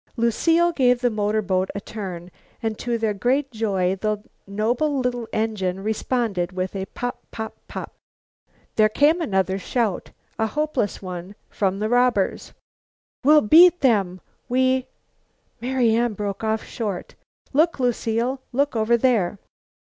Lucile gave the motor a turn and to their great joy the noble little engine responded with a pop pop pop. There came another shout, a hopeless one, from the robbers. "We beat them. We " Marian broke short off. "Look, Lucile. Look over there!"